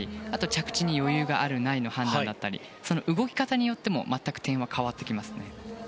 着地に余裕がある、ないの判断だったりその動き方によっても全く点は変わってきますね。